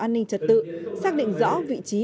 an ninh trật tự xác định rõ vị trí